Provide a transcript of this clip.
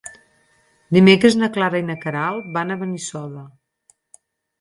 Dimecres na Clara i na Queralt van a Benissoda.